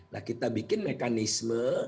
nah kita bikin mekanisme